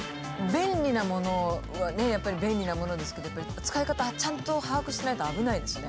便利なものはねやっぱり便利なものですけど使い方ちゃんと把握してないと危ないですよね